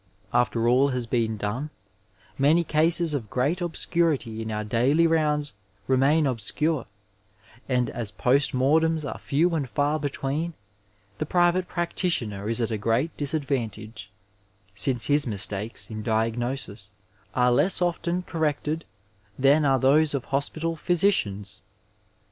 Afterall has been done, many cases of great obscurity in our daily rounds remain obscure, and as post mortems are few and far between, the private practitioner is at a great disadvantage, since his mistakes in diagnosis are less often corrected than are those of hospital physicians.